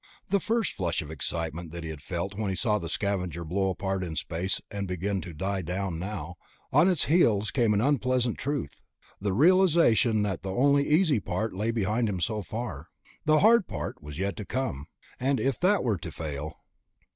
The first flush of excitement that he had felt when he saw the Scavenger blow apart in space had begun to die down now; on its heels came the unpleasant truth, the realization that only the easy part lay behind him so far. The hard part was yet to come, and if that were to fail....